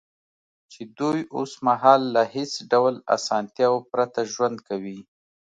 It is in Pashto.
چې دوی اوس مهال له هېڅ ډول اسانتیاوو پرته ژوند کوي